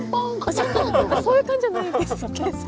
そういう感じじゃないですっけ？